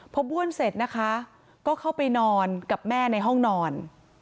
พอบ้วนเสร็จนะคะก็เข้าไปนอนกับแม่ในห้องนอน